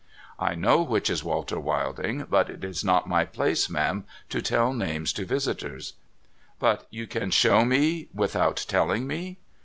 ' I know which is Walter Wilding, but it is not my place, ma'am, to tell names to visitors.' ' But you can show me without telling me.'